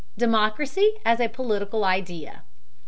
DEMOCRACY AS A POLITICAL IDEA.